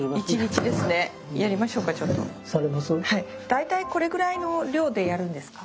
大体これくらいの量でやるんですか？